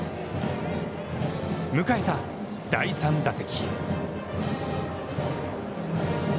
迎えた第３打席。